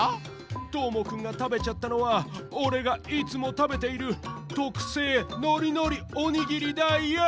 どーもくんがたべちゃったのはおれがいつもたべているとくせいノリノリおにぎりだヨー！